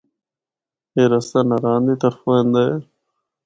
اے رستہ ناران دے طرفو ایندا ہے۔